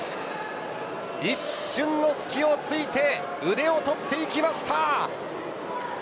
一瞬の隙を突いて腕を取っていきました。